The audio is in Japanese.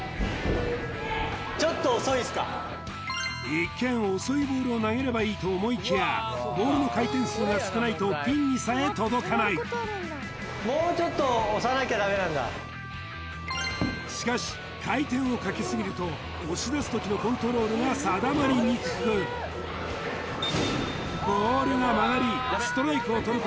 一見遅いボールを投げればいいと思いきやボールの回転数が少ないとピンにさえ届かないしかし回転をかけすぎると押し出す時のコントロールが定まりにくくむずっ！